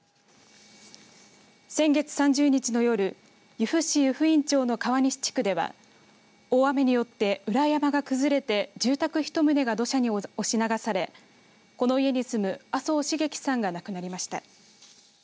先月３０日の夜由布市湯布院町の川西地区では大雨によって裏山が崩れて住宅１棟が土砂に押し流されこの家に住む麻生繁喜さんが亡くなりました。